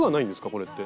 これって。